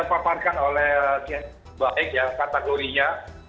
tadi sudah dipaparkan oleh siapa yang baik ya kategorinya